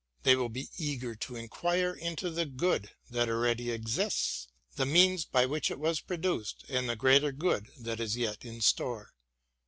They will be eager to enquire into the good that already exists, the means by which it was produced and the greater good that is yet in store.